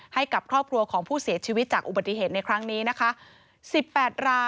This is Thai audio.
ให้กับครอบครัวของผู้เสียชีวิตจากอุบัติเหตุในครั้งนี้นะคะ